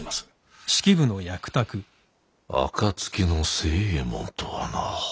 暁の星右衛門とはな。